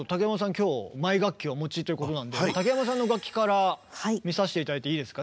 今日マイ楽器をお持ちということなんで竹山さんの楽器から見させて頂いていいですか？